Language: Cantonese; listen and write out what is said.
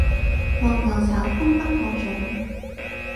黃牛炒風不可長